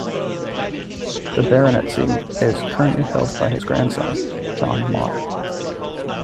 The baronetcy is currently held by his grandson, John Mott.